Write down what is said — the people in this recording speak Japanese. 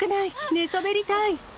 寝そべりたい。